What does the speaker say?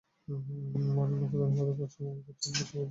বনু Naphtali হতেন পশ্চাৎবর্তী দলে অন্তর্ভুক্ত।